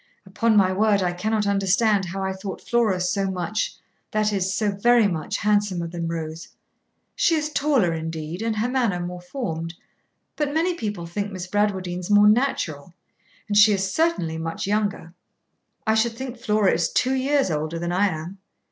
Upon my word, I cannot understand how I thought Flora so much, that is, so very much, handsomer than Rose. She is taller indeed, and her manner more formed; but many people think Miss Bradwardine's more natural; and she is certainly much younger. I should think Flora is two years older than I am.